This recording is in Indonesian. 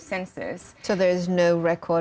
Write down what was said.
jadi tidak ada rekod